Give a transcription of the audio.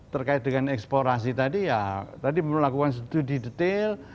terkait dengan eksplorasi tadi ya tadi melakukan studi detail